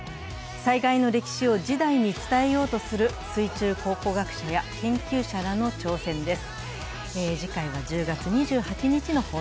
災害の歴史を次代に伝えようとする水中考古学者や研究者らの挑戦です。